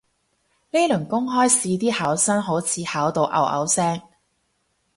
呢輪公開試啲考生好似考到拗拗聲